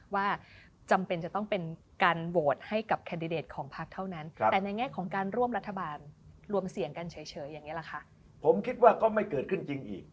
ว่าจำเป็นจะต้องเป็นการโหวตให้กับแคนดิเดตของภาคเท่านั้น